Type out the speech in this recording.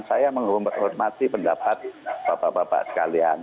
saya menghormati pendapat bapak bapak sekalian